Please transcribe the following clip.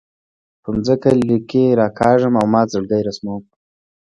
په ځمکه لیکې راکاږم او مات زړګۍ رسموم